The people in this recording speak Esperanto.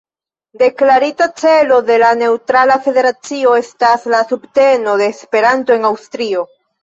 Deklarita celo de la neŭtrala federacio estas la subteno de Esperanto en Aŭstrio.